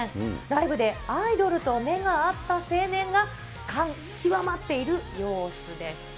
ライブでアイドルと目が合った青年が感極まっている様子です。